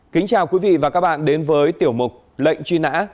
kính chào quý vị và các bạn đến với tiểu mục lệnh truy nã